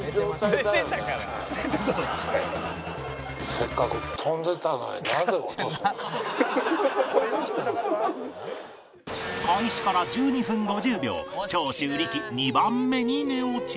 せっかく開始から１２分５０秒長州力２番目に寝落ち